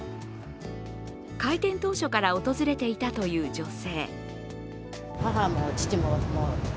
開店当初から訪れていたという女性。